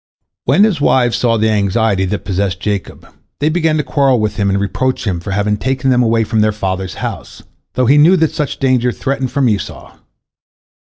When his wives saw the anxiety that possessed Jacob, they began to quarrel with him, and reproach him for having taken them away from their father's house, though he knew that such danger threatened from Esau.